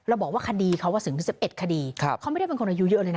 เราก็บอกว่าคดีเขาว่า๙นาทีก็ถึง๑๑คดีเขาไม่ได้เป็นคนอายุเยอะเลยค่ะ